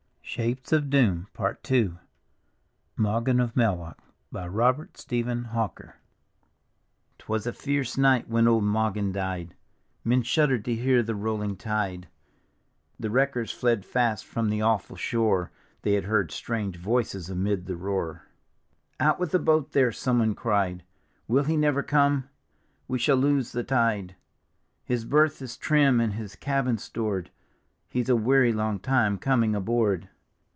MAWGAN OF MELHUACH : Robert Stephen HAWKER 'Twas a fierce night when old Mawgan died: Men shuddered to hear the rolling tide: The wreckers fled fast from the awful shore, They had heard strange voices amid the roar. " Out with die tioat there," someone cried, — "Will he never come? We shall lose the tide: His berth is trim and. his cabin stored, He's a weary long time coming aboard."